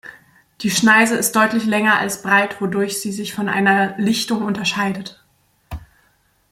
Die Schneise ist deutlich länger als breit, wodurch sie sich von einer Lichtung unterscheidet.